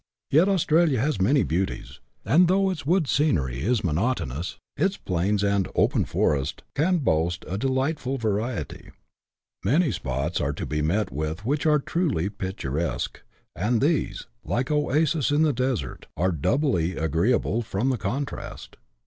Yet Australia has many beauties ; and though its wood scenery is monotonous, its plains and " open forest " can boast a de lightful variety. Many spots are to be met with which are truly picturesque, and these, like oases in the desert, are doubly agree able, from the contrast.